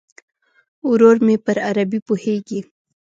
ورور مې پر عربي پوهیږي.